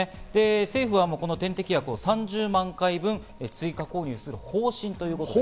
政府は点滴薬を３０万回分、追加購入する方針ということです。